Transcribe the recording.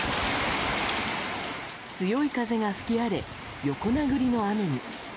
強い風が吹き荒れ、横殴りの雨に。